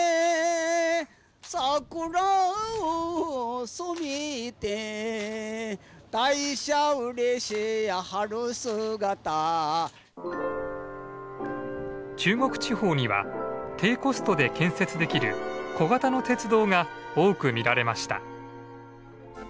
「桜を染めて」「大社うれしや春姿」中国地方には低コストで建設できる小型の鉄道が多く見られました。